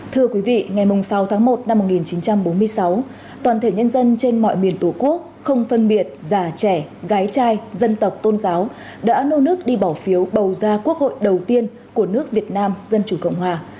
thưa quý vị ngày sáu tháng một năm một nghìn chín trăm bốn mươi sáu toàn thể nhân dân trên mọi miền tổ quốc không phân biệt già trẻ gái trai dân tộc tôn giáo đã nô nước đi bỏ phiếu bầu ra quốc hội đầu tiên của nước việt nam dân chủ cộng hòa